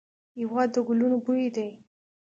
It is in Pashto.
هېواد د ګلونو بوی دی.